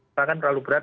itu kan terlalu berat